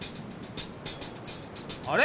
あれ？